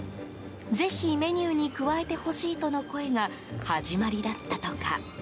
ぜひメニューに加えてほしいとの声が、始まりだったとか。